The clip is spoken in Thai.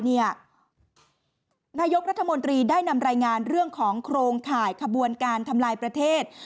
นายกรัฐมนตรีได้นำรายงานเรื่องของโครงข่ายขบวนการทำลายประเทศ